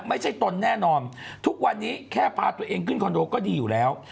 ตนแน่นอนทุกวันนี้แค่พาตัวเองขึ้นคอนโดก็ดีอยู่แล้ว